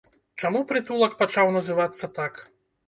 Чаму прытулак пачаў называцца так?